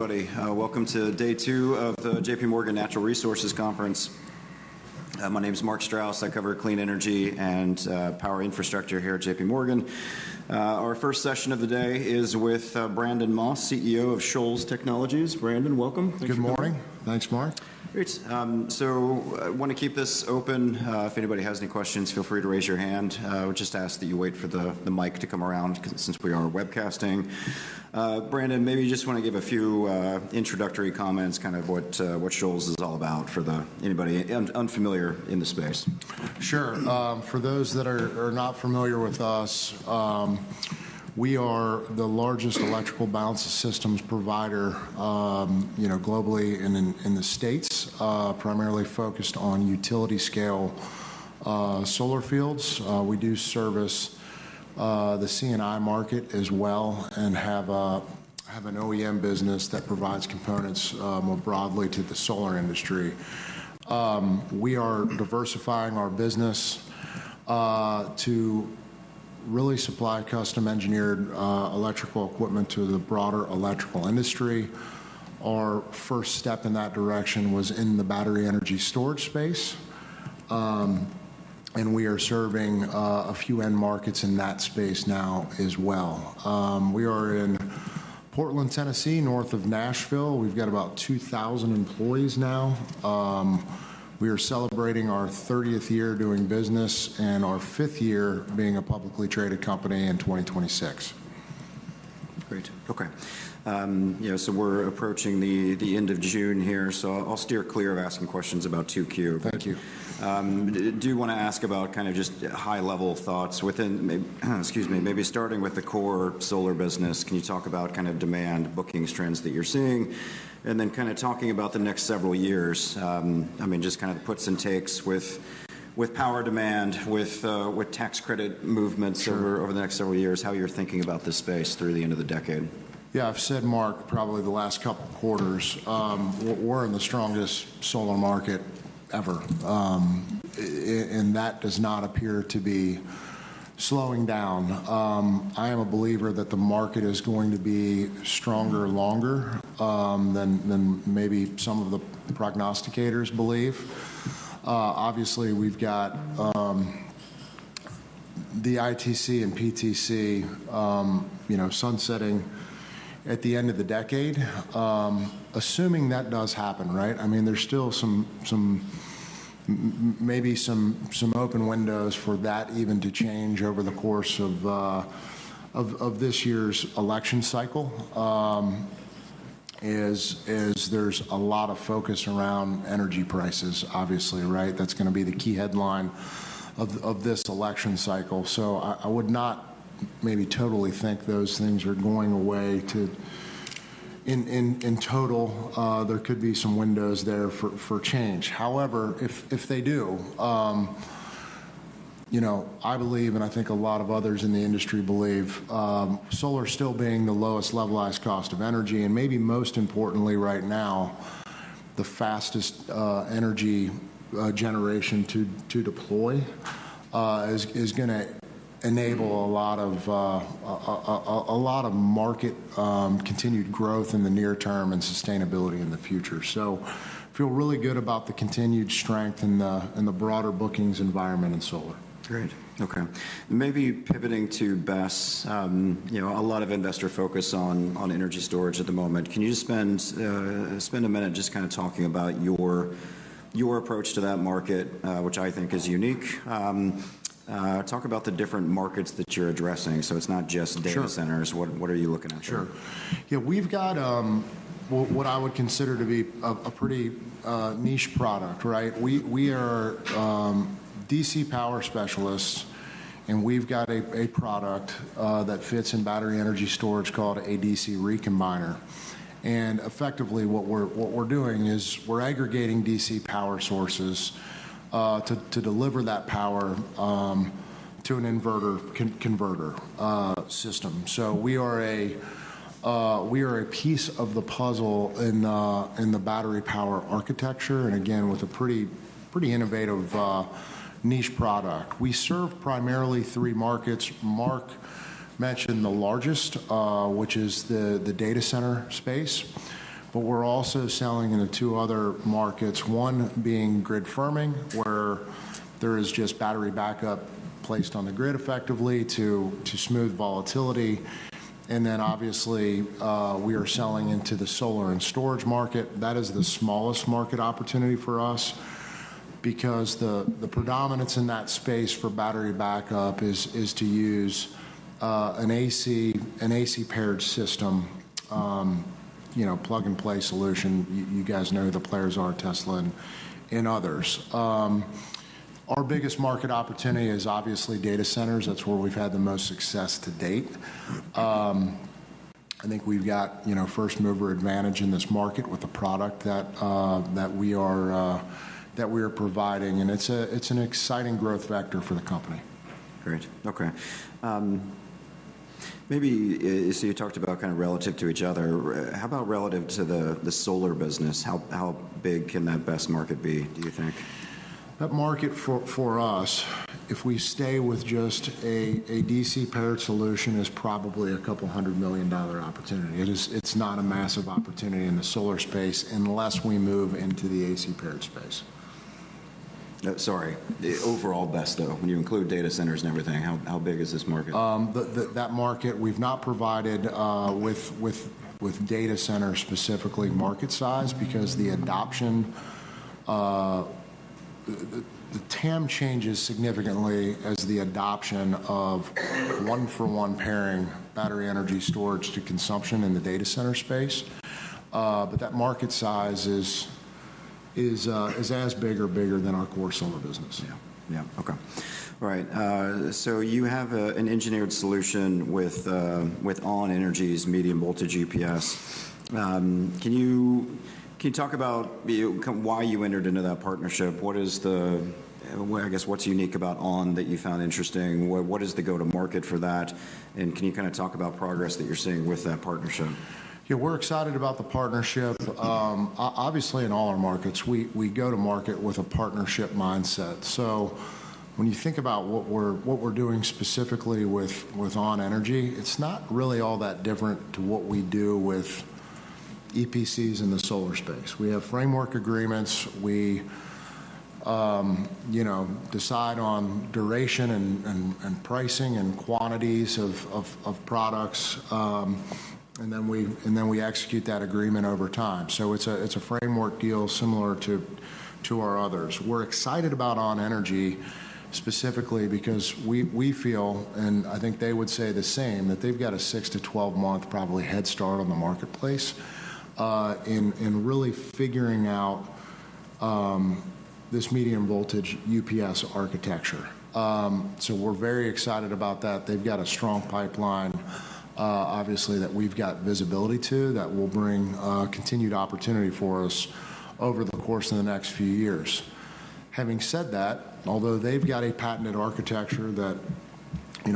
Everybody, welcome to day two of the J.P. Morgan Natural Resources Conference. My name's Mark Strouse. I cover clean energy and power infrastructure here at J.P. Morgan. Our first session of the day is with Brandon Moss, CEO of Shoals Technologies. Brandon, welcome. Thank you for coming. Good morning. Thanks, Mark. Great. I want to keep this open. If anybody has any questions, feel free to raise your hand. I would just ask that you wait for the mic to come around, since we are webcasting. Brandon, maybe you just want to give a few introductory comments, kind of what Shoals is all about, for anybody unfamiliar in the space. Sure. For those that are not familiar with us, we are the largest electrical balance of systems provider globally and in the States, primarily focused on utility scale solar fields. We do service the C&I market as well and have an OEM business that provides components more broadly to the solar industry. We are diversifying our business to really supply custom engineered electrical equipment to the broader electrical industry. Our first step in that direction was in the battery energy storage space, and we are serving a few end markets in that space now as well. We are in Portland, Tennessee, north of Nashville. We've got about 2,000 employees now. We are celebrating our 30th year doing business and our fifth year being a publicly traded company in 2026. Great. Okay. We're approaching the end of June here, so I'll steer clear of asking questions about 2Q. Thank you. I do want to ask about kind of just high level thoughts within, excuse me, maybe starting with the core solar business. Can you talk about kind of demand, bookings trends that you're seeing? Then kind of talking about the next several years, I mean, just kind of the puts and takes with power demand, with tax credit movements. Sure over the next several years, how you're thinking about this space through the end of the decade. I've said, Mark, probably the last couple of quarters, we're in the strongest solar market ever. That does not appear to be slowing down. I am a believer that the market is going to be stronger longer than maybe some of the prognosticators believe. Obviously, we've got the ITC and PTC sunsetting at the end of the decade. Assuming that does happen, right? There's still maybe some open windows for that even to change over the course of this year's election cycle, as there's a lot of focus around energy prices, obviously, right? That's going to be the key headline of this election cycle. I would not maybe totally think those things are going away. In total, there could be some windows there for change. However, if they do, I believe, and I think a lot of others in the industry believe, solar still being the lowest levelized cost of energy, and maybe most importantly right now, the fastest energy generation to deploy, is going to enable a lot of market continued growth in the near term and sustainability in the future. Feel really good about the continued strength in the broader bookings environment in solar. Great. Okay. Maybe pivoting to BESS. A lot of investor focus on energy storage at the moment. Can you just spend a minute just kind of talking about your approach to that market, which I think is unique? Talk about the different markets that you're addressing, so it's not just data centers. Sure. What are you looking at there? Sure. We've got what I would consider to be a pretty niche product, right? We are DC power specialists, and we've got a product that fits in battery energy storage called a DC Recombiner. Effectively what we're doing is we're aggregating DC power sources to deliver that power to an inverter converter system. We are a piece of the puzzle in the battery power architecture, and again, with a pretty innovative niche product. We serve primarily three markets. Mark mentioned the largest, which is the data center space. We're also selling into two other markets, one being grid firming, where there is just battery backup placed on the grid effectively to smooth volatility. Obviously, we are selling into the solar and storage market. That is the smallest market opportunity for us because the predominance in that space for battery backup is to use an AC paired system, plug-and-play solution. You guys know who the players are, Tesla and others. Our biggest market opportunity is obviously data centers. That's where we've had the most success to date. I think we've got first mover advantage in this market with the product that we are providing, and it's an exciting growth vector for the company. Great. Okay. You talked about kind of relative to each other. How about relative to the solar business? How big can that BESS market be, do you think? That market for us, if we stay with just a DC paired solution, is probably a $200 million opportunity. It's not a massive opportunity in the solar space unless we move into the AC paired space. Sorry. Overall BESS, though, when you include data centers and everything, how big is this market? That market we've not provided with data center specifically market size because the TAM changes significantly as the adoption of one-for-one pairing battery energy storage to consumption in the data center space. That market size is as big or bigger than our core solar business. Yeah. Okay. Right. You have an engineered solution with ON.energy's medium voltage UPS. Can you talk about why you entered into that partnership? What's unique about ON.energy that you found interesting? What is the go to market for that, and can you kind of talk about progress that you're seeing with that partnership? Yeah, we're excited about the partnership. Obviously, in all our markets, we go to market with a partnership mindset. When you think about what we're doing specifically with ON.energy, it's not really all that different to what we do with EPCs in the solar space. We have framework agreements. We decide on duration and pricing and quantities of products, and then we execute that agreement over time. It's a framework deal similar to our others. We're excited about ON.energy specifically because we feel, and I think they would say the same, that they've got a 6 to 12 month probably head start on the marketplace in really figuring out this medium voltage UPS architecture. We're very excited about that. They've got a strong pipeline, obviously, that we've got visibility to that will bring continued opportunity for us over the course of the next few years. Having said that, although they've got a patented architecture that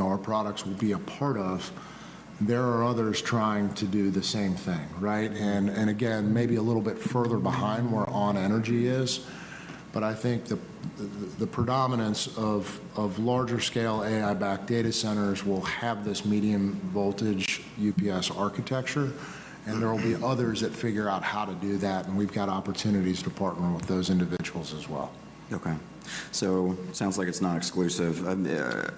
our products will be a part of, there are others trying to do the same thing, right? Again, maybe a little bit further behind where ON.energy is, but I think the predominance of larger scale AI backed data centers will have this medium voltage UPS architecture, and there will be others that figure out how to do that, and we've got opportunities to partner with those individuals as well. Okay. Sounds like it's not exclusive.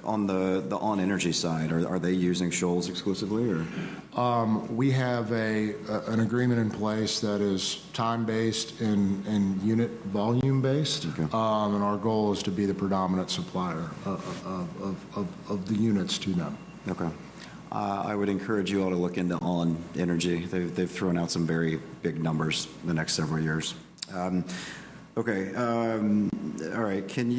On the ON.energy side, are they using Shoals exclusively or? We have an agreement in place that is time-based and unit volume based. Okay. Our goal is to be the predominant supplier of the units to them. Okay. I would encourage you all to look into ON.energy. They've thrown out some very big numbers in the next several years. Okay. All right. Can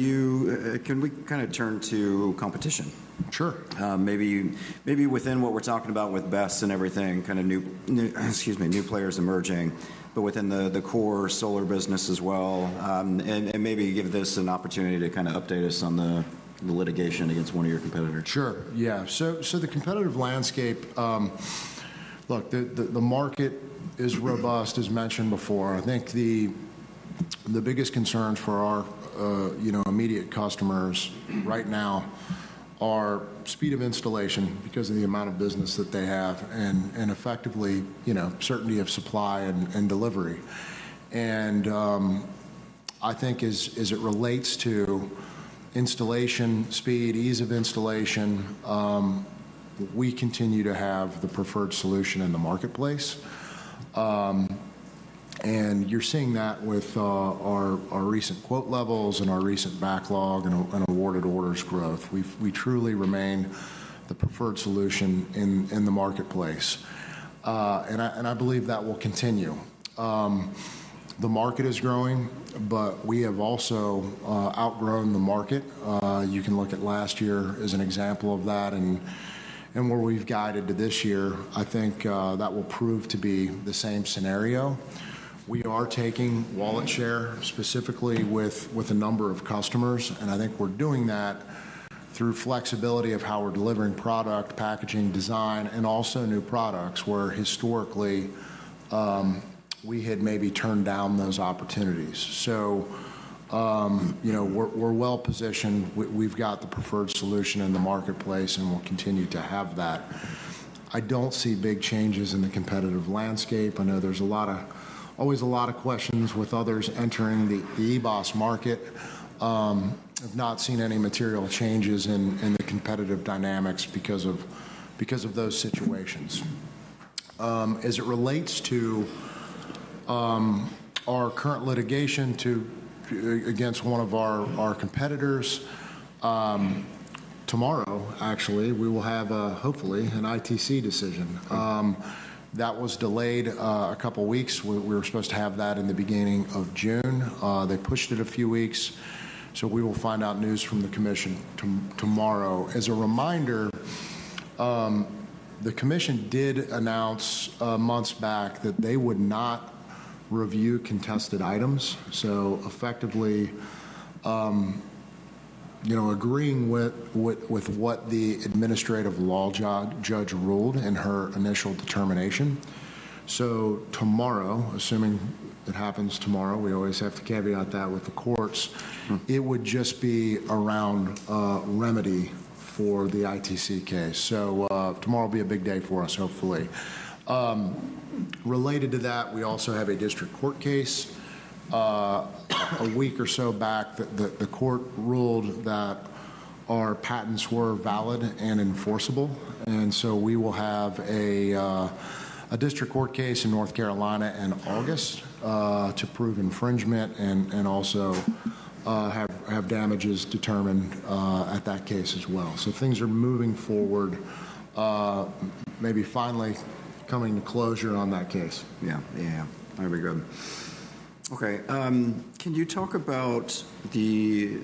we kind of turn to competition? Sure. Maybe within what we're talking about with BESS and everything, kind of new, excuse me, new players emerging, but within the core solar business as well. Maybe give this an opportunity to kind of update us on the litigation against one of your competitors. Sure. Yeah. The competitive landscape, look, the market is robust, as mentioned before. I think the biggest concerns for our immediate customers right now are speed of installation because of the amount of business that they have and effectively, certainty of supply and delivery. I think as it relates to installation speed, ease of installation, we continue to have the preferred solution in the marketplace. You're seeing that with our recent quote levels and our recent backlog and awarded orders growth. We truly remain the preferred solution in the marketplace. I believe that will continue. The market is growing, we have also outgrown the market. You can look at last year as an example of that and where we've guided to this year. I think that will prove to be the same scenario. We are taking wallet share specifically with a number of customers, I think we're doing that through flexibility of how we're delivering product, packaging, design, and also new products, where historically, we had maybe turned down those opportunities. We're well positioned. We've got the preferred solution in the marketplace, we'll continue to have that. I don't see big changes in the competitive landscape. I know there's always a lot of questions with others entering the EBOS market. I've not seen any material changes in the competitive dynamics because of those situations. As it relates to our current litigation against one of our competitors, tomorrow, actually, we will have, hopefully, an ITC decision. Okay. That was delayed two weeks. We were supposed to have that in the beginning of June. They pushed it a few weeks. We will find out news from the commission tomorrow. As a reminder, the commission did announce months back that they would not review contested items. Effectively agreeing with what the administrative law judge ruled in her initial determination. Tomorrow, assuming it happens tomorrow, we always have to caveat that with the courts, it would just be around remedy for the ITC case. Tomorrow will be a big day for us, hopefully. Related to that, we also have a district court case. A week or so back, the court ruled that our patents were valid and enforceable. We will have a district court case in North Carolina in August to prove infringement and also have damages determined at that case as well. Things are moving forward, maybe finally coming to closure on that case. Yeah. That'd be good. Okay. Can you talk about the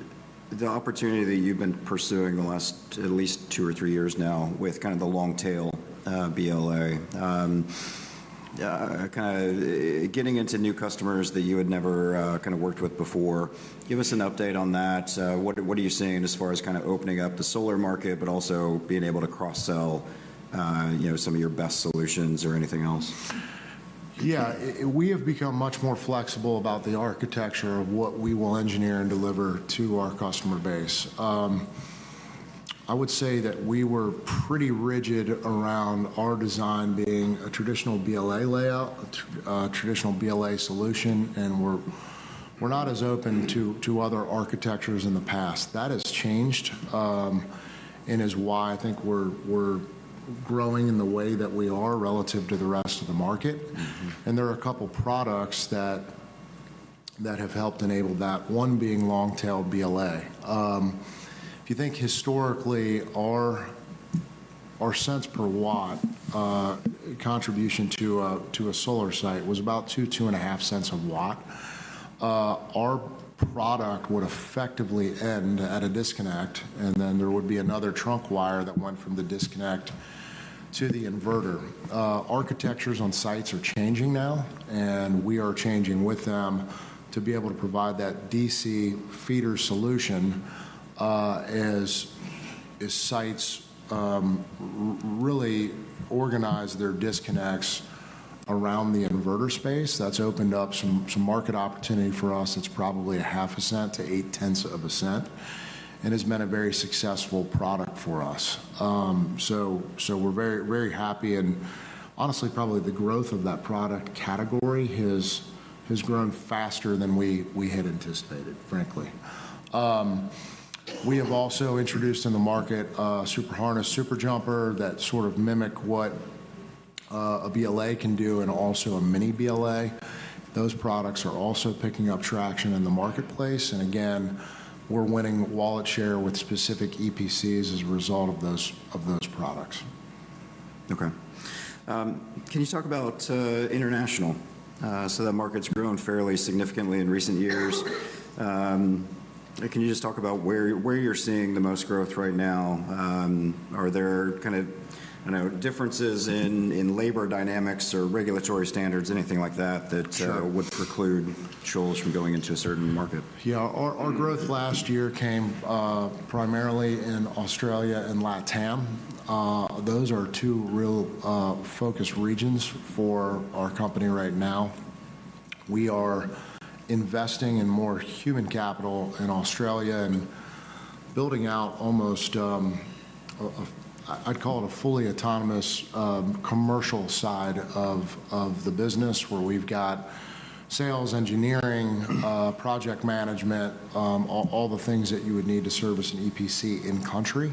opportunity that you've been pursuing the last at least two or three years now with kind of the Long Tail BLA? Kind of getting into new customers that you had never worked with before. Give us an update on that. What are you seeing as far as kind of opening up the solar market, but also being able to cross-sell some of your best solutions or anything else? Yeah. We have become much more flexible about the architecture of what we will engineer and deliver to our customer base. I would say that we were pretty rigid around our design being a traditional BLA layout, a traditional BLA solution. We're not as open to other architectures in the past. That has changed. That is why I think we're growing in the way that we are relative to the rest of the market. There are two products that have helped enable that, one being Long Tail BLA. If you think historically, our cents per watt contribution to a solar site was about $0.02, $0.025 a watt. Our product would effectively end at a disconnect. There would be another trunk wire that went from the disconnect to the inverter. Architectures on sites are changing now. We are changing with them to be able to provide that DC feeder solution as sites really organize their disconnects around the inverter space. That's opened up some market opportunity for us that's probably $0.005-$0.008, and has been a very successful product for us. We're very happy and honestly probably the growth of that product category has grown faster than we had anticipated, frankly. We have also introduced in the market a Super Harness, SuperJumper that sort of mimic what a BLA can do, and also a mini BLA. Those products are also picking up traction in the marketplace. Again, we're winning wallet share with specific EPCs as a result of those products. Okay. Can you talk about international? That market's grown fairly significantly in recent years. Can you just talk about where you're seeing the most growth right now? Are there kind of differences in labor dynamics or regulatory standards, anything like that- Sure would preclude Shoals from going into a certain market? Yeah. Our growth last year came primarily in Australia and LATAM. Those are two real focus regions for our company right now. We are investing in more human capital in Australia and building out almost, I'd call it a fully autonomous commercial side of the business where we've got sales engineering, project management, all the things that you would need to service an EPC in country.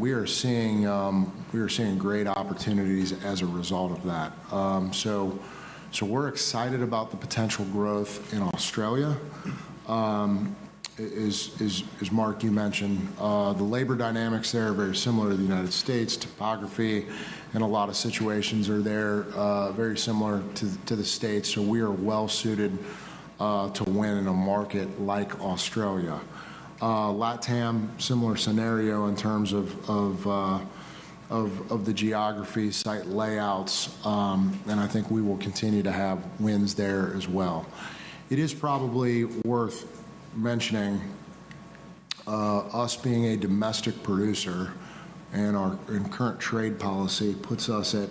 We are seeing great opportunities as a result of that. We're excited about the potential growth in Australia. As Mark, you mentioned, the labor dynamics there are very similar to the United States. Topography and a lot of situations are there very similar to the States, I think we will continue to have wins there as well. It is probably worth mentioning, us being a domestic producer current trade policy puts us at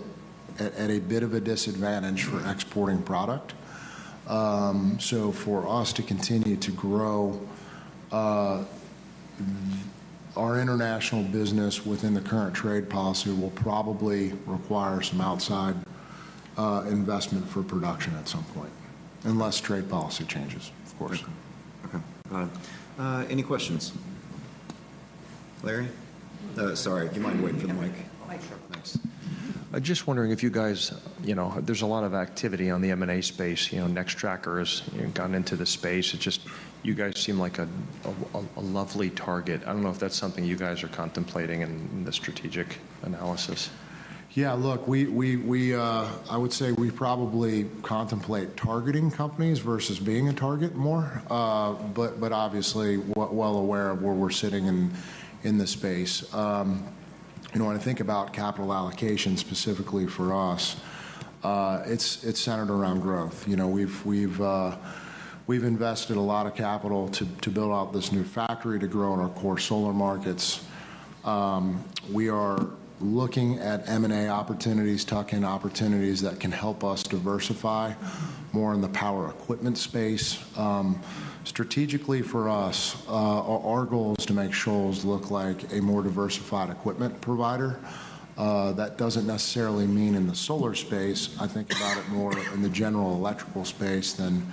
a bit of a disadvantage for exporting product. For us to continue to grow our international business within the current trade policy will probably require some outside investment for production at some point, unless trade policy changes, of course. Okay. Got it. Any questions? Larry? Sorry, do you mind waiting for the mic? Yeah. Thanks. Just wondering if you guys, there's a lot of activity on the M&A space. Nextracker has gone into the space. You guys seem like a lovely target. I don't know if that's something you guys are contemplating in the strategic analysis. Yeah, look, I would say we probably contemplate targeting companies versus being a target more, obviously well aware of where we're sitting in the space. When I think about capital allocation specifically for us, it's centered around growth. We've invested a lot of capital to build out this new factory to grow in our core solar markets. We are looking at M&A opportunities, tuck-in opportunities that can help us diversify more in the power equipment space. Strategically for us, our goal is to make Shoals look like a more diversified equipment provider. That doesn't necessarily mean in the solar space. I think about it more in the general electrical space than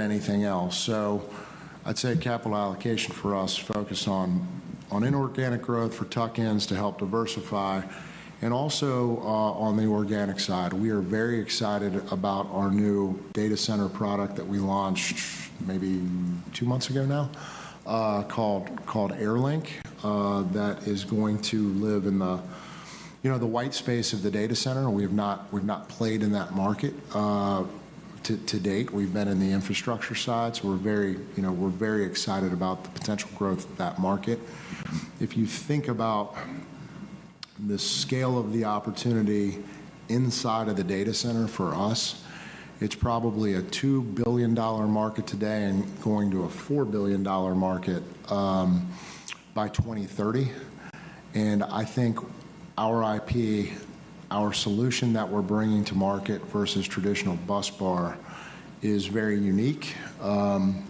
anything else. I'd say capital allocation for us, focus on inorganic growth for tuck-ins to help diversify. Also, on the organic side, we are very excited about our new data center product that we launched maybe two months ago now, called Airlink, that is going to live in the white space of the data center. We've not played in that market to date. We've been in the infrastructure side, so we're very excited about the potential growth of that market. If you think about the scale of the opportunity inside of the data center for us, it's probably a $2 billion market today and going to a $4 billion market by 2030. I think our IP, our solution that we're bringing to market versus traditional busbar, is very unique, and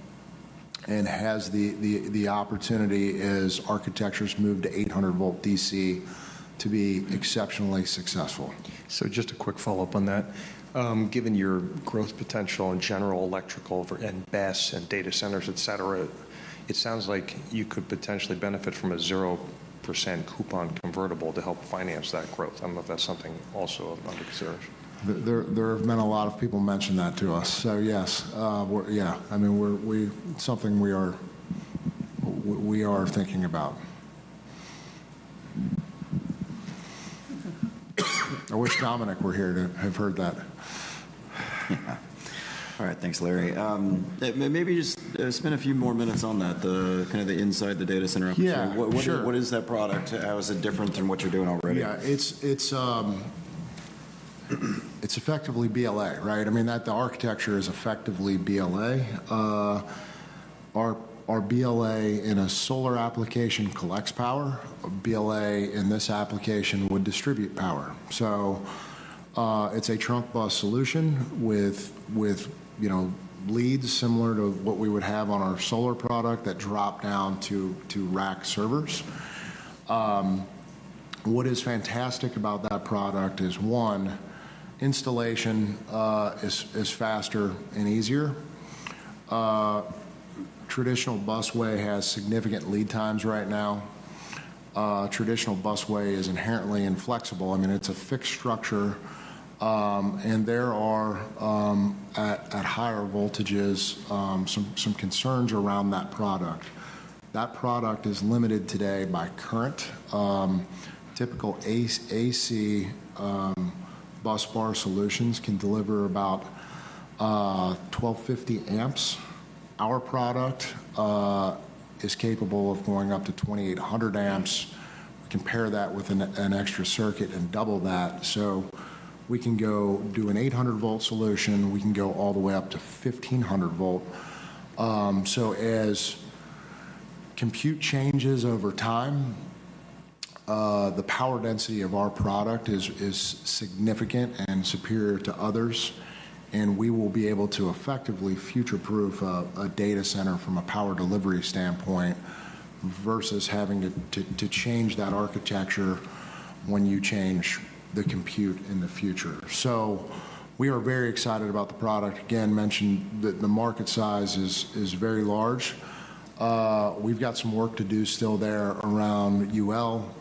has the opportunity as architectures move to 800 V DC to be exceptionally successful. Just a quick follow-up on that. Given your growth potential in general electrical and BESS and data centers, et cetera, it sounds like you could potentially benefit from a 0% coupon convertible to help finance that growth. I don't know if that's something also under consideration. There have been a lot of people mention that to us, yes. It's something we are thinking about. I wish Dominic were here to have heard that. All right. Thanks, Larry. Maybe just spend a few more minutes on that, the inside the data center opportunity. Yeah. Sure. What is that product? How is it different than what you're doing already? Yeah. It's effectively BLA, right? The architecture is effectively BLA. Our BLA in a solar application collects power. A BLA in this application would distribute power. It's a trunk bus solution with leads similar to what we would have on our solar product that drop down to rack servers. What is fantastic about that product is, one, installation is faster and easier. Traditional busway has significant lead times right now. Traditional busway is inherently inflexible. It's a fixed structure. There are, at higher voltages, some concerns around that product. That product is limited today by current. Typical AC busbar solutions can deliver about 1,250 A. Our product is capable of going up to 2,800 A. Compare that with an extra circuit and double that. We can go do an 800 V solution. We can go all the way up to 1,500 V. As compute changes over time, the power density of our product is significant and superior to others, and we will be able to effectively future-proof a data center from a power delivery standpoint versus having to change that architecture when you change the compute in the future. We are very excited about the product. Again, mentioned that the market size is very large. We've got some work to do still there around UL.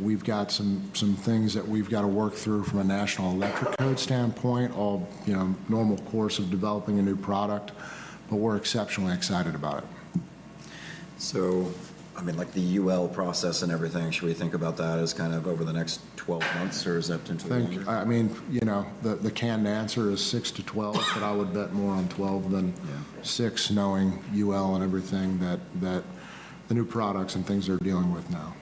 We've got some things that we've got to work through from a National Electrical Code standpoint, all normal course of developing a new product. We're exceptionally excited about it. the UL process and everything, should we think about that as over the next 12 months, or is that into the- I think, the canned answer is six to 12, but I would bet more on 12 than- Yeah six, knowing UL and everything, that the new products and things they're dealing with now.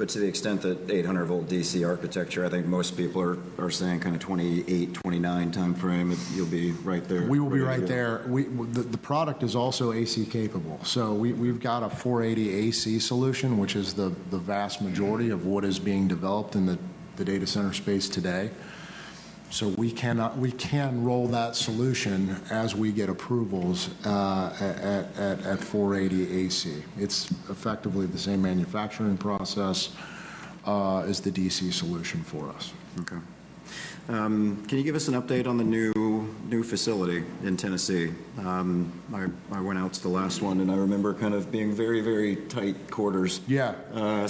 Yeah. to the extent that 800 V DC architecture, I think most people are saying kind of 2028, 2029 timeframe, you'll be right there. We will be right there. The product is also AC capable, so we've got a 480 AC solution, which is the vast majority of what is being developed in the data center space today. We can roll that solution as we get approvals at 480 AC. It's effectively the same manufacturing process as the DC solution for us. Okay. Can you give us an update on the new facility in Tennessee? I went out to the last one, and I remember kind of being very tight quarters. Yeah. The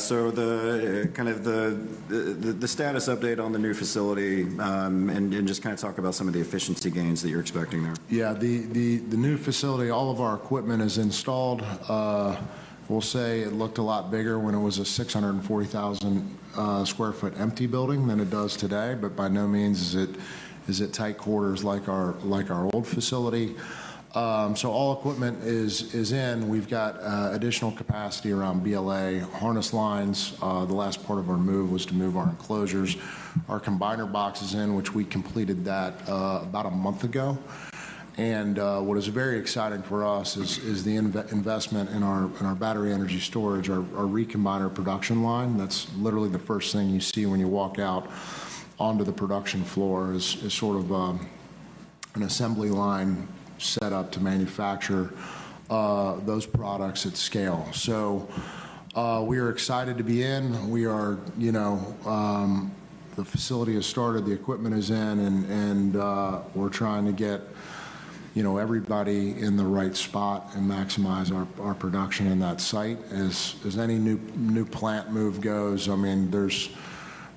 status update on the new facility, and just kind of talk about some of the efficiency gains that you're expecting there. Yeah. The new facility, all of our equipment is installed. We'll say it looked a lot bigger when it was a 640,000 sq ft empty building than it does today, but by no means is it tight quarters like our old facility. All equipment is in. We've got additional capacity around BLA harness lines. The last part of our move was to move our enclosures. Our combiner box is in, which we completed that about a month ago. What is very exciting for us is the investment in our battery energy storage, our recombiner production line. That's literally the first thing you see when you walk out onto the production floor is sort of an assembly line set up to manufacture those products at scale. We are excited to be in. The facility has started, the equipment is in, and we're trying to get everybody in the right spot and maximize our production in that site. As any new plant move goes,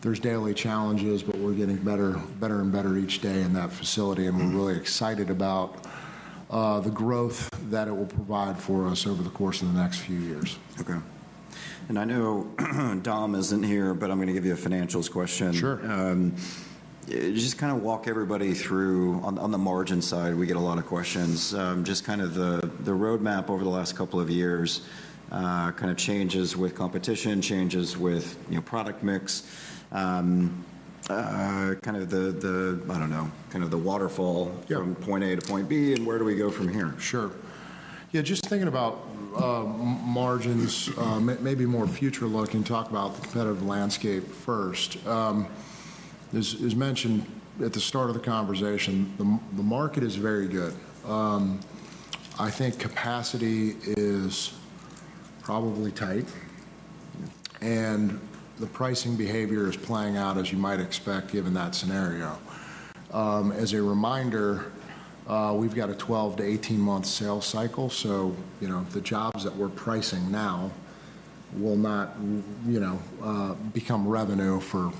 there's daily challenges, but we're getting better and better each day in that facility, and we're really excited about the growth that it will provide for us over the course of the next few years. Okay. I know Dom isn't here, but I'm going to give you a financials question. Sure. Just kind of walk everybody through, on the margin side, we get a lot of questions, just kind of the roadmap over the last couple of years, kind of changes with competition, changes with product mix, kind of the waterfall. Yeah From point A to point B. Where do we go from here? Sure. Yeah, just thinking about margins, maybe more future-looking, talk about the competitive landscape first. As mentioned at the start of the conversation, the market is very good. I think capacity is probably tight, and the pricing behavior is playing out as you might expect, given that scenario. As a reminder, we've got a 12-18 month sales cycle, so the jobs that we're pricing now will not become revenue for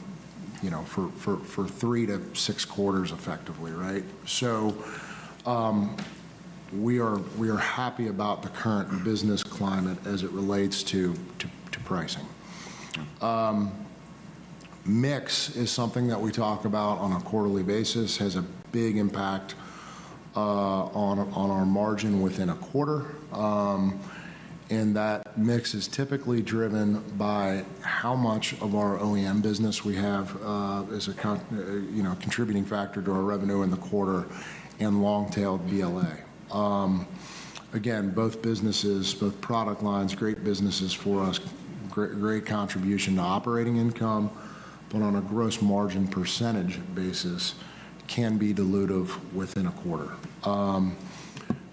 3-6 quarters effectively, right? We are happy about the current business climate as it relates to pricing. Okay. Mix is something that we talk about on a quarterly basis, has a big impact on our margin within a quarter. That mix is typically driven by how much of our OEM business we have as a contributing factor to our revenue in the quarter in long-tailed BLA. Again, both businesses, both product lines, great businesses for us, great contribution to operating income, but on a gross margin percentage basis can be dilutive within a quarter.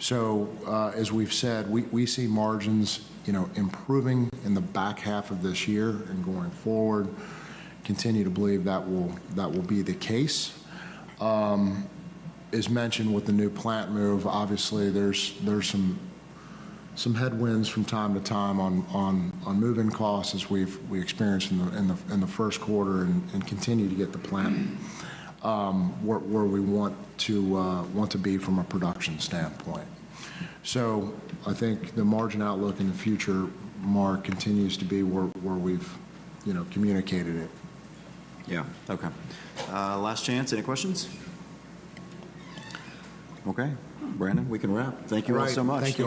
As we've said, we see margins improving in the back half of this year and going forward, continue to believe that will be the case. As mentioned with the new plant move, obviously there's some headwinds from time to time on moving costs as we experienced in the first quarter and continue to get the plant where we want to be from a production standpoint. I think the margin outlook in the future, Mark, continues to be where we've communicated it. Yeah. Okay. Last chance, any questions? Okay, Brandon, we can wrap. Thank you all so much.